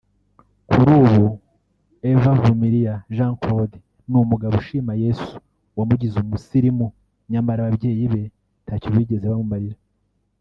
Kuri ubu Ev Vumiliya Jean Claude ni umugabo ushima Yesu wamugize umusilimu nyamara ababyeyi be ntacyo bigeze bamumarira